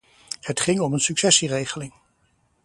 Het ging om een successieregeling.